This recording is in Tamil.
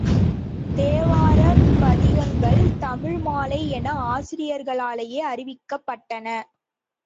தேவாரப் பதிகங்கள் தமிழ்மாலை என ஆசிரியர்களாலேயே அறிவிக்கப்பட்டன.